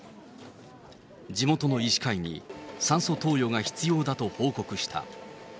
地元の医師会に、酸素投与が必要だと報告した。